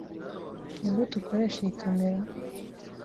Nigute ukoresha iyi kamera?